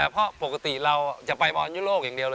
พอปกติเราจะไปบอลยาวโลกแห่งเดียว